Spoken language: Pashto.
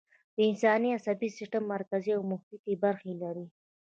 د انسان عصبي سیستم مرکزي او محیطی برخې لري